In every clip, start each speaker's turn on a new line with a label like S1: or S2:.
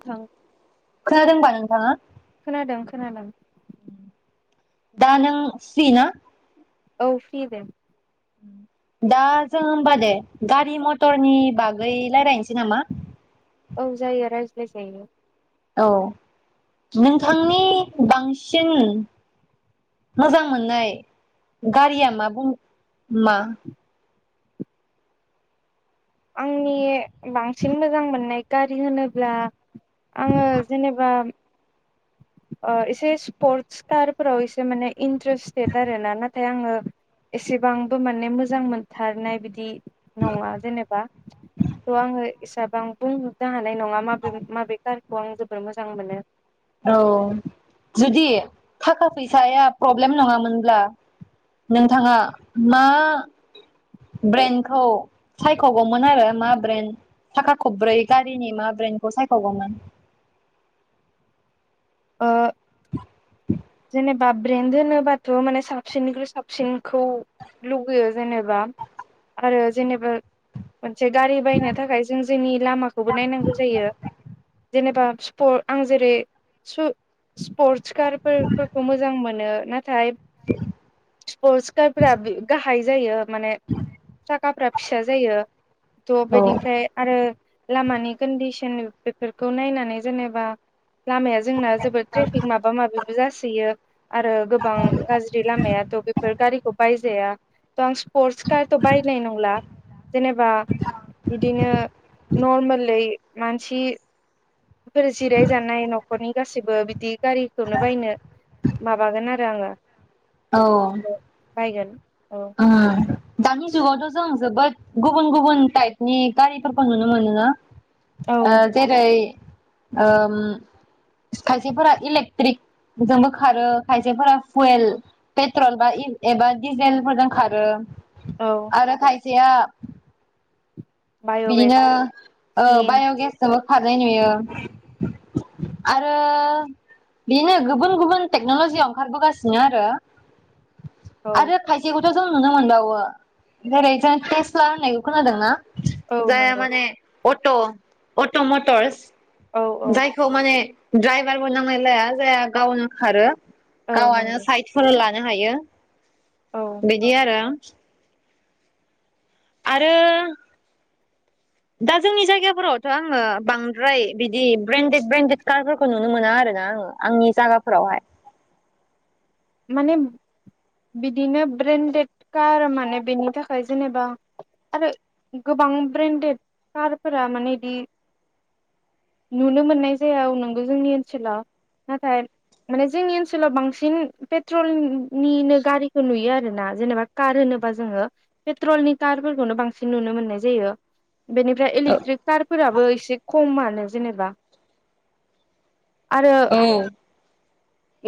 S1: थां
S2: खोनादोंबा नोंथाङा?
S1: खोनादों खोनादों।
S2: दा नों फ्रि ना?
S1: औ फि दे।
S2: दा जों बा दे। गारि मटर। नि बागै लारायसै नामा?
S1: औ जायो रा होजायो।
S2: औ नोंथांनि बांसिन मोजां मोननाय गारिया मा बुं मा?
S1: आंनि। बांसिन मोजां मोननाय। गारि होनोब्ला। आङो जेनेबा एसे स्पर्टसटारफोराव एसे माने इन्टारेस्टेड आरोना, नाथाय आङो एसेबांबो माने मोजां मोनथारनाय बिदि। नङा जेनेबा। थ' आङो एसेबांं बुंजोबनो हानाय नङा माबे माबे कारखौ आं जोबोर मोजां मोनो।
S2: औ जुदि थाखा फैसाया प्रब्लेम नङामोनब्ला नोंथाङा मा ब्रेन्डखौ सायख'गौमोन आरो मा ब्रेन्ड थाखा खब्रै गारिनि मा ब्रेन्डखौ सायख'गौमोन।
S1: ओ जेनेबा ब्रेन्ड होनोबाथ' माने साबसिननिख्रुइ साबसिनखौ लुगैयो जेनेबा आरो जेनेबा। मोनसे गारि बायनो थाखाय जों जोंनि लामाखौबो नायनांगौ जायो। जेनेबा स्प आं जेरै स्रु स्पर्टस कार फोर फोरखौ मोजां मोनो। नाथाय स्पर्टस कार फोरा गाहाय जायो माने साखाफ्रा। फिसा जायो। थ'
S2: औ
S1: बेनिफ्राय आरो। लामानि कन्दिसन बेफोरखौ नायनानै जेनेबा। जोंना जोबोद ट्रेफिक माबा माबिबो जासोयो। आरो गोबां गाज्रि लामायाथ' बेफोर गारिखौ बाय [unintelligible] आं स्पर्टस कार बायनाय नंला जेनेबा बिदिनो नर्मेलयै मानसि। बेफोर जिराय जानाय न'खरनि गासैबो बिदि। गारिखौनो बायनो। माबागोन आरो आङो। बायगोन। औ
S2: अ। दानि जुगावथ' जों जोबोद गुबुन गुबुन टाइपनि गारिफोरखौ नुनो मोनोना। ओ जेरै ओम खायसेफोरा इलेक्ट्रिक जोंबो खारो खायसेफोरा फुयेल पेट्रल बा एबा डिजेल मोजां खारो
S1: औ
S2: आरो खाय [unintelligible] बिदिनो
S1: बाय'गेस
S2: ओ
S1: सिन
S2: बाय'गेस जोबो खारनाय नुयो आरो बेनो गुबुन गुबुन टेक्न'लजियाव ओंखारबोगासिनो आरो
S1: औ
S2: आरो खायसे गो जों नुनो मोनबावो जेरै जों टेस्ला होननायखौ खोनादों ना?
S1: औ
S2: जाया
S1: नंगौ
S2: माने अट' अट' मटरस
S1: औ औ
S2: जायखौ माने ड्राइभारबो नांनायलाया जाया गावनो खारो
S1: औ
S2: गावानो
S1: नंगौ
S2: साइथफोर ला नो हायो।
S1: औ
S2: बिदि आरो [inaudible] आरो दा जोंनि जायगाफोरावथ' आङो बांद्राय बिदि ब्रेन्डेड ब्रेन्डेड कारफोरखौ नुनो मोना आरो ना आङो आंनि जायगाफोरावहाय
S1: माने बिदिनो ब्रेन्डेड कार माने बेनि थाखाय जेनेबा आरो गोबां ब्रेन्डेड कारफोरा माने बिदि नुनो मोननाय जाया नंगौ जोंनि ओनसोलाव नाथाय माने जोंनि ओनसोलाव बांसिन पेट्रलनिनो गारिखौ नुयो आरो ना जेनेबा कार होनोबा जोङो पेट्रलनि कारफोरखौनो बांसिन नुनो मोननाय जायो। बेनिफ्राय इलेकट्रिक कार फोराबो एसे खममा जेनेबा आरो
S2: औ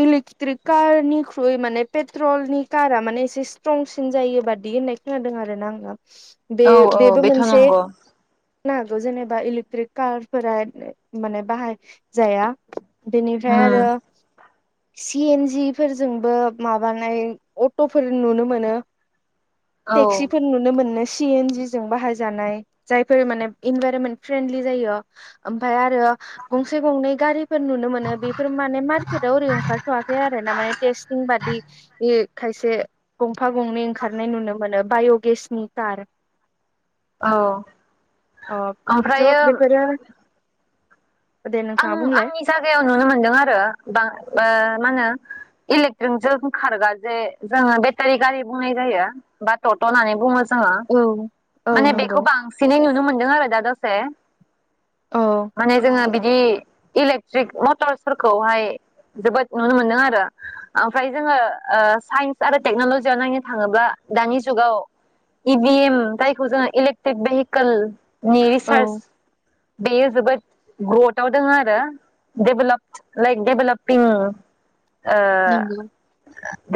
S1: इलेक्ट्रिक कारनिख्रुय माने पेट्रलनि कारा माने एसे स्ट्रंसिन जायो बादि होननाय खोनादों आरो ना आङो।
S2: औ औ
S1: बे-बेबो
S2: बेथ'
S1: मोनसे।
S2: नंगौ
S1: नो हागौ जेनेबा इलेकट्रिक कारफोरा माने बाहायजाया बिनिफ्राय आरो
S2: उम
S1: सि एन जि फोरजोंबो माबानाय अट'फोर नुनो मोनो।
S2: औ
S1: टेक्सिफोर नुनो मोनो सि एन जि जों बाहाय जानाय जायफोर माने इनभाइरमेन्ट फ्रेन्लि जायो ओमफ्राय आरो गंसे गंनै गारिफोर नुनो मोनो बेफोर माने टाव ओरै ओंखारथ'वाखै आरो ना माने टेस्टिं बादि इमेइल खायसे गंफा गंनै ओंखारनाय नुनो मोनो बाय'गेसनि कार।
S2: औ
S1: अ ज'
S2: ओमफ्रायो
S1: बेफोरो दे नोंथाङा
S2: आं
S1: बुंलाय
S2: आंनि जागायाव नुनो मोनदों आरो बां ओ मा होनो इलेक्ट्रिकजों खारग्रा जे जोङो बेटारि गारि बुंनाय जायो बा टट' होननानै बुङो। जों
S1: औ औ
S2: माने
S1: नंगौ
S2: बेखौ बांसिनै नुनो मोनो दं आरो दा दसे
S1: औ
S2: माने जोङो बे बिदि इलेकट्रिक मटरसफोरखौहाय जोबोद नुनो मोनदों आरो ओमफ्राय जोङो ओ साइन्स आरो टेक्नलजियाव नायनो थाङोब्ला दानि जुगाव इभिएम जायखौ जोङो इलेक्ट्रिक भेहिकेल नि सारस
S1: औ
S2: बेयो जोबोद ग्रथाव दङ आरो डेभेलप लाइक डेभेलपिं ओ
S1: नंगौ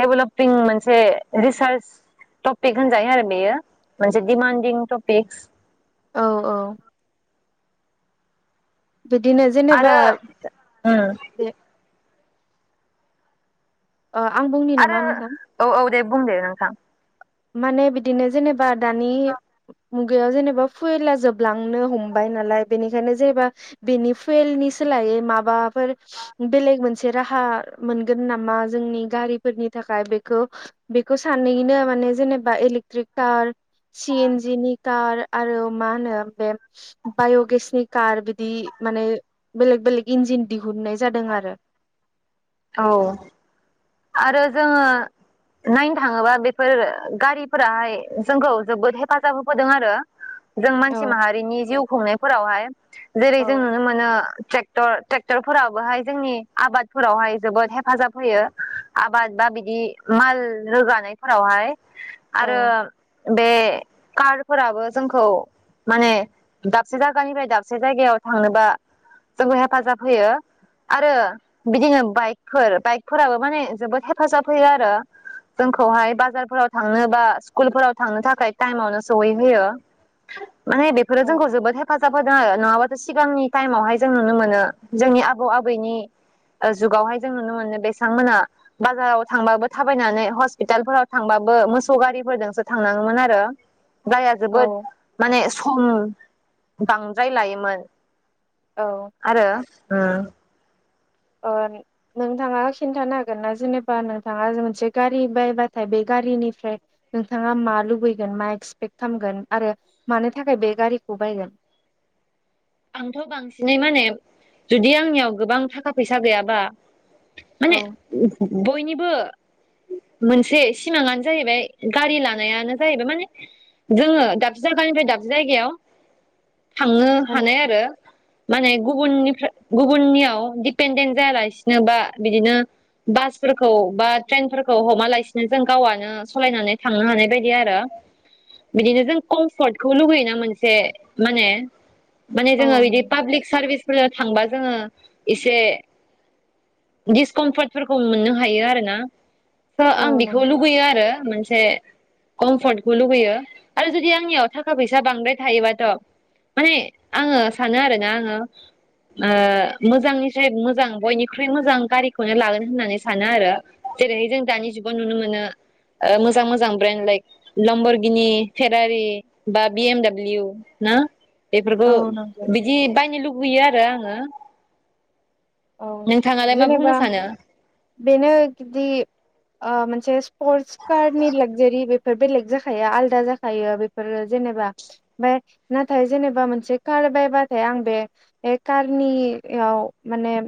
S2: डेभलपिं मोनसे रिसार्च टपिक होनजायो आरो बेयो मोनसे डिमान्डिं टपिक
S1: औ औ बिदिनो जेनेबा
S2: आरो उम
S1: दे ओ आं बुंनि
S2: आरो
S1: नामा नोंथां?
S2: औ औ दे बुं दे नोंथां।
S1: माने बिदिनो जेनेबा दानि मुगायाव जेनेबा फुवेला जोबलांनो हमबाय नालाय बेनिखायनो जेनेबा बेनि फुवेलनि सोलायै माबा फोर बेलेग मोनसे मोनसे राहा मोनगोन नामा जोंनि गारिफोरनि थाखाय बेखौ बेखौ सानैनो माने जेनेबा इलेकट्रिक कार सि एन जिनि कार आरो मा होनो बे बायगेसनि कार बिदि माने बेलेग बेलेक इन्जिन दिहुनाय जादों आरो।
S2: औ आरो जोङो नायनो थाङोबा बेफोर गारिफोराहाय जोंखौ जोबोद हेफाजाब होबोदों आरो। जों मानसि
S1: औ
S2: माहारिनि जिउ खुंनायफोरावहाय जेरै जों
S1: औ
S2: नुनो मोनो ट्रेक्टर ट्रेक्टरफोराबोहाय जोंनि आबादफोरावहाय जोबोद हेफाजाब होयो। आबाद बा बिदि माल रोगानायफोरावहाय। आरो बे कारफोराबो जोंखौ माने दाबसे जायगानिफ्राय दाबसे जायगायाव थांनोबा जोंनो हेफाजाब होयो आरो बिदिनो बाइकफोर बाइक फोराबो माने जोबोद हेफाजाब होयो आरो जोंखौहाय बाजारफोराव थांनो बा स्कुलफोराव थांनो थाखाय टाइमावनो सहैहोयो। माने बेफोरो
S1: औ
S2: जोंखौ जोबोद हेफाजाब होदों आरो। नङाबाथ' सिगांनि टाइमावहाय जों नुनो मोनो जोंनि आबौ आबैनि जुगावहाय जों नुनो मोनो बे बिथांमोना बाजाराव थांबाबो थाबायनानै हस्पितालफोराव थांबाबो मोसौ गारिफोरजोंसो थांनांगौमोन आरो [inaudible] जोबोद
S1: औ
S2: माने सम बांद्राय लायोमोन
S1: औ
S2: आरो ओम
S1: ओ नोंथाङा खिन्थानो हागोन ना जेनेबा नोंथाङा मोनसे गारि बायबाथाय बे गारिनिफ्राय नोंथाङा मा लुबैगोन मा एक्सपेक्ट खालामगोन आरो मानो थाखाय बे गारिखौ बायगोन?
S2: आंथ' बांसिनै माने जुदि आंनियाव गोबां थाखा फैसा गैयाबा माने
S1: औ
S2: बयनिबो मोनसे सिमाङानो जाहैबाय गारि लानायानो जाहैबाय माने जोङो दाबसे जायगानिफ्राय दाबसे जायगायाव थाङो हानाय
S1: मानसि
S2: आरो माने गुबुननिफ्राय गुबुननियाव दिडपेन्डेन्ट जायालासिनो बा बिदिनो बासफोरखौ बा ट्रेनफोरखौ हमा लासिनो जों गावआनो सालायनानै थांनो हानाय बायदि आरो बिदिनो जों कमफर्टखौ लुगैयो ना मोनसे माने माने
S1: औ
S2: जोङो बिदि
S1: नंगौ
S2: पाब्लिक सारभिसफोर थांबा जोङो एसे दिस कमफर्टफोरखौ मोननो हायो आरोना ओ
S1: औ
S2: आं बेखौ
S1: नंगौ
S2: लुुबैयो आरो मोनसे कम्फर्टखौ लुुबैयो आरो जुदि आंनियाव थाखा फैसा बांद्राय थायोबाथ' माने आङो सानो आरो ना आङो ओ मोजांनिफ्राय मोजां बयनिख्रुय मोजां गारिखौनो लागोन होननानै सानोआरो जेरैहाय जों दानि जुगाव नुनो मोनो ओ मोजां मोजां ब्रेन्ड लाइक लम्बरगिनि फेरारि बा बिएमडाब्लिउ ना बेफोरखौ
S1: औ नंगौ
S2: बिदि बायनो लुबैयोआरो आं ङो
S1: औ जेनेबा बेनो जदि ओ मोनसे स्पर्टस कारनि लागजारि बेफोर बेलेग जाखायो आलदा जाखायो बेफोरो जेनेबा ओमफ्राय नाथाय जेनेबा मोनसे कार बायबाथाय आं बे कारनियाव माने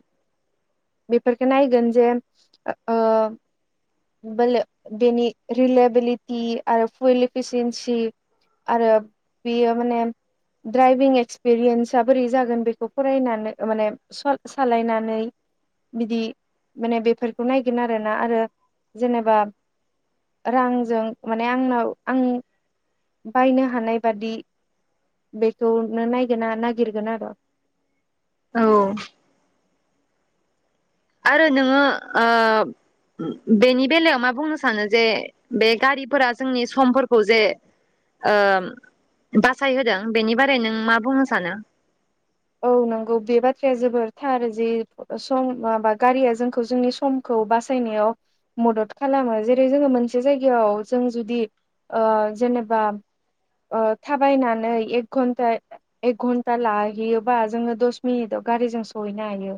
S1: बेफोरखौ नायगोन जे ओ बेले बेनि रिलेबिलिटि आरो फुल एफिसिनसि आरो बियो माने ड्राइभिं एक्सपिरियेनसा बोरै जागोन बेखौ फरायनानै माने सालायनानै बिदि माने बेफोरखौ नायगोन आरोना आरो जेनेबा रांजों माने आंनाव आं बायनो हानाय बादि बेखौनो नायगोन ना नायगिरगोन आर
S2: औ आरो नोङो ओ बेनि बेलायाव मा बुंनो सानो जे बे गारिफोरा जोंनि समफोरखौ जे ओ बासायहोदों बेनि बारै नों मा बुंनो सानो
S1: औ नंगौ बे बाथ्राया जोबोर थार जे सम माबा गारिया जोंखौ जोंनि समखौ बासायनायाव मदद खालामो जेरै जोङो मोनसे जायगायाव जों जुदि ओ जेनेबा ओ थाबायनानै एक घन्टा एक घन्टा लाहैयो बा जोङो दस मिनिटाव गारिजों सहैनो हायो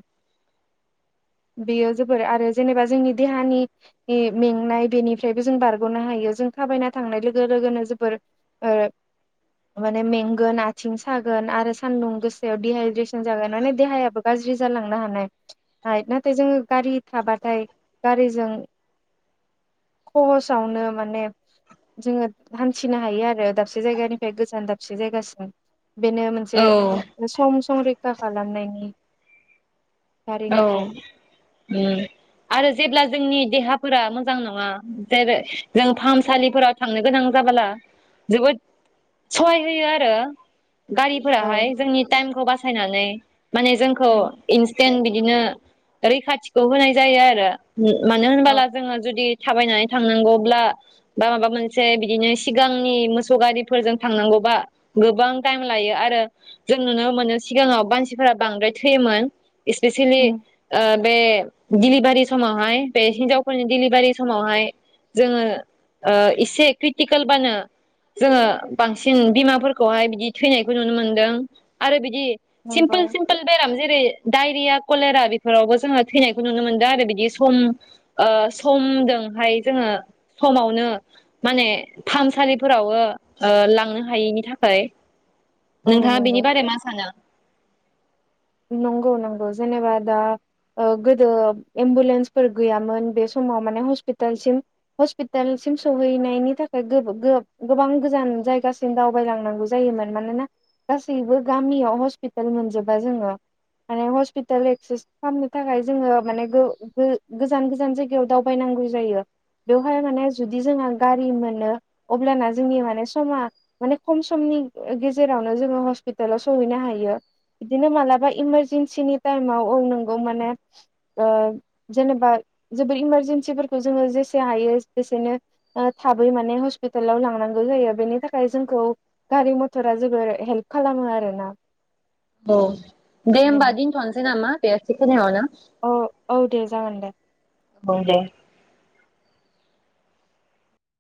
S1: बेयो जोबोर आरो जेनेबा जोंनि देहानि मेंनाय बेनिफ्रायबो जों बारगनो हायो जों थाबायना थांनाय लोगो लोगोनो जोबोर ओ माने मेंगोन आथिं सागोन आरो सानदुं गोस सायाव डि हाइद्रेसन जागोन माने देहायाबो गाज्रि जालांनो हानाय नाथाय जोङो गारि थाबाथाय गारिजों खहसावनो माने जोङो हान्थिनो हायो आरो दाबसे जायगानिफ्राय गोजान दाबसे जायगासिम बेनो मोनसे
S2: औ
S1: सम संरैखा खालामनायनि
S2: औ
S1: गारिनिफ्राय
S2: उम आरो जेब्ला जोंनि देहाफोरा मोजां नोङा जेरै जों फाहामसालिफोराव थांनो गोनां जाबोला जोबोद सहाय होयो आरो
S1: औ
S2: गारिफोराहाय जोंनि टाइमखौ बासायनानै माने जोंखौ इनस जों बिदिनो रैखाथिखौ होनाय जायो आरो मानो
S1: औ
S2: होनबाला जोङो जुदि थाबायनानै थांनांगौब्ला बा माबा मोनसे बिदिनो सिगांनि मोसौ गारिफोरजों थांनांगौबा गोबां टाइम लायो आरो जों नुनो मोनो सिगाङाव मानसिफोरा बांद्राय थैयोमोन इसपेसिलि ओ बे दिलिभारि समावहाय बे हिनजावफोरनि डिलिभारि समावहाय जोङो ओ एसे क्रिटिकेलबानो जोङो बांसिन बिमाफोरखौहाय बिदि थैनायखौ नुनो मोनदों आरो बिदि
S1: नंगौ
S2: सिमपोल सिमपोल बेराम जेरै डायरिया कलेरा बेफोरावबो जोङो थैनायखौ नुनो मोनदों आरो बिदि सम ओ समजोंहाय जोङो समावनो माने फाहामसालिफोरावबो ओ लांनो हायैनि थाखाय
S1: औ
S2: नोंथाङा
S1: नंगौ
S2: बेनि बारै मा सानो
S1: नंगौ नंगौ जेनेबा दा ओ गोदो एम्बुलेन्सफोर गैयामोन बे समाव माने हस्पिटालसिम हस्पिटालसिम सहैनायनि थाखाय गोब-गोब-गोबां गोजान जायगासिम दावबायलांनांगौ जायोमोन मानोना गासैबो गामियाव हस्पिटाल मोनजोबा जोङो माने हस्पिटाल एक्सेस खालामनो थाखाय जोङो माने गो-गो-गोजान गोजान जायगायाव दावबायनांगौ जायो बेवहाय माने जुदि जोंहा गारि मोनो अब्लाना जोंनि माने समा माने खम समनि गेजेरावनो जोङो हस्पिटालाव सहैनो हायो बिदिनो मालाबा इमारजेेनसिनि टाइमाव औ नोंगौ माने ओ जेनेबा जोबोर इमारजेेनसिफोरखौ जोङो जेसे हायो जसेनो थाबै माने हस्पिटालाव लांनांगौ जायो बेनि थाखाय जोंखौ गारि मथरा जोबोर हेल्प खालामो आरोना
S2: औ दे होमबा
S1: बेनो
S2: दिनथ नोसै नामा बे एसे खिनियावनो
S1: औ औ दे जागोन दे
S2: औ दे